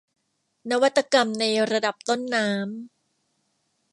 นวัตกรรมในระดับต้นน้ำ